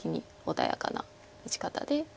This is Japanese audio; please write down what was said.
穏やかな打ち方で。